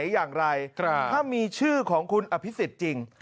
อย่างไรถ้ามีชื่อของคุณอภิษฎจริง